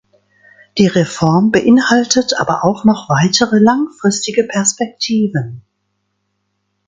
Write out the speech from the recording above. Die Reform beinhaltet aber auch noch weitere langfristige Perspektiven.